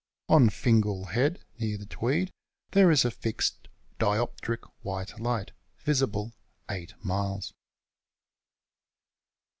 On Eingal Head, near the Tweed, there is a fixed dioptric white ligbt, visible 8 miles.